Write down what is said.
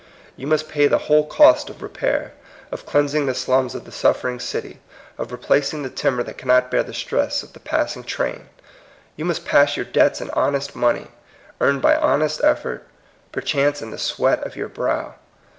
You must pay the whole cost of repair, of cleansing the slums of the suffering city, of repla cing the timber that cannot bear the stress of the passing train. You must pay your debts iu honest money, earned by honest effort, perohance in the sweat of your brow.